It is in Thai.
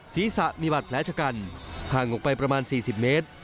ศีรษะมีบาดแผลชะกันห่างออกไปประมาณ๔๐เมตร